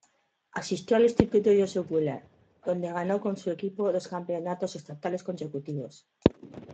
Asistió al Insituto Joseph Wheeler, donde ganó con su equipo dos campeonatos estatales consecutivos.